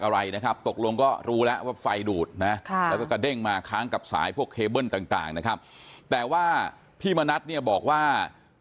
และก็กะเด้งมาค้างกับสายพวกเคเบิร์นต่างนะครับแต่ว่าพี่มณธบอกว่า